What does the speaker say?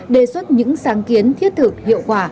đề xuất những sáng kiến thiết thực hiệu quả